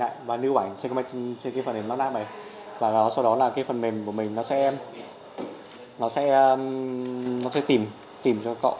lại và lưu ảnh trên cái phần hình lát lát này và sau đó là cái phần mềm của mình nó sẽ tìm cho cậu